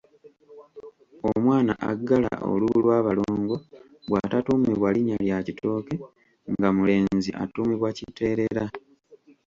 Omwana aggala olubu lw’abalongo bw’atatuumibwa linnya lya Kitooke nga mulenzi atuumibwa Kiteerera.